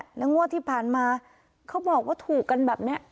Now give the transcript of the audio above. แล้วงวดที่ผ่านมาเขาบอกว่าถูกกันแบบนี้